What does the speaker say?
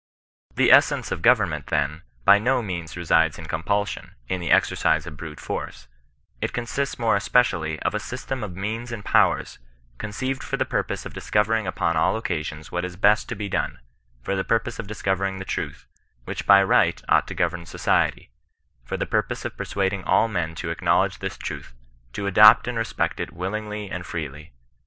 " The essence of government, then, by no means resides in compulsion, in the exercise of brute force : it consists more especially of a pystem of means and powers, con ceived for the purpose of discovering upon all occasions what is best to be done, for the purpose of discovering the truth which by right ought to govern society, for the purpose of persuading all men to acknowledge this truth, to adopt and respect it willingly and freely.